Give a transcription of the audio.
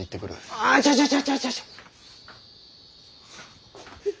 あちょちょちょ。